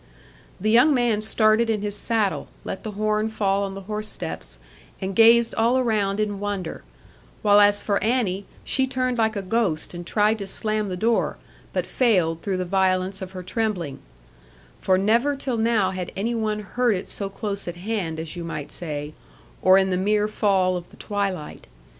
The young man started in his saddle, let the horn fall on the horse steps, and gazed all around in wonder; while as for Annie, she turned like a ghost, and tried to slam the door, but failed through the violence of her trembling; (for never till now had any one heard it so close at hand as you might say) or in the mere fall of the twilight.